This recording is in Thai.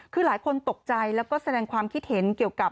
คือหลายคนตกใจแล้วก็แสดงความคิดเห็นเกี่ยวกับ